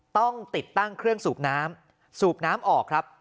ต้องติดตั้งเครื่องสูบน้ำสูบน้ำออกครับ